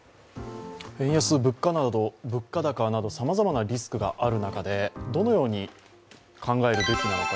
円安や物価高など、さまざまなリスクがある中でどのように考えるべきなのか。